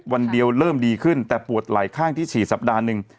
วันเดียวเริ่มดีขึ้นแต่ปวดหลายข้างที่ฉีดสัปดาห์หนึ่ง